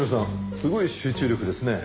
すごい集中力ですね。